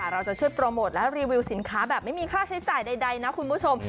เราจะช่วยโปรโมทและรีวิวสินค้าแบบไม่มีค่าใช้จ่ายใดนะคุณผู้ชม